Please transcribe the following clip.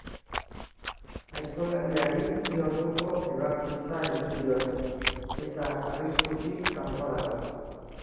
Aizkolariari bi orduko ebakuntza egin diote eta arriskutik kanpo dago.